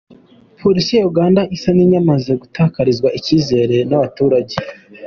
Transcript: Polisi ya Uganda isa n’ iyamaze gutakarizwa ikizere n’ abaturage….